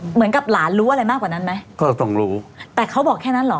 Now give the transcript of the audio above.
เหมือนกับหลานรู้อะไรมากกว่านั้นไหมก็ต้องรู้แต่เขาบอกแค่นั้นเหรอ